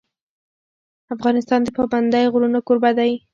افغانستان د پابندی غرونه کوربه دی.